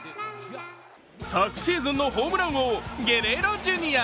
昨シーズンのホームラン王ゲレーロジュニア。